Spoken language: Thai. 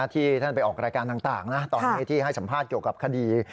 ที่ท่านไปออกรายการต่างนะตอนนี้ที่ให้สัมภาษณ์เกี่ยวกับคดี